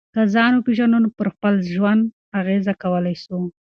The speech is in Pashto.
که ځان وپېژنو نو پر خپل ژوند اغېزه کولای سو.